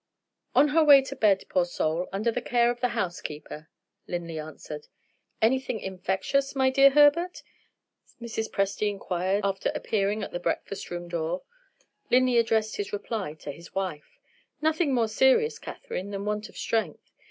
"On her way to bed, poor soul, under the care of the housekeeper," Linley answered. "Anything infectious, my dear Herbert?" Mrs. Presty inquired appearing at the breakfast room door. Linley addressed his reply to his wife: "Nothing more serious, Catherine, than want of strength.